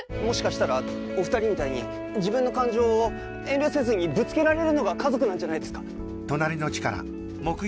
もしかしたらお二人みたいに自分の感情を遠慮せずにぶつけられるのが家族なんじゃないですか？